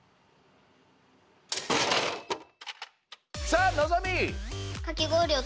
さあのぞみ！